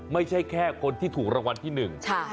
ไม่ใช่แค่คนที่ถูกรางวัลที่หนึ่ง